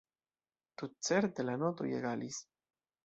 Tutcerte, la notoj egalis.